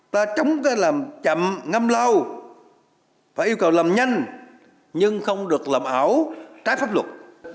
ta chống cái làm chậm ngâm lao phải yêu cầu làm nhanh nhưng không được làm ảo trái pháp luật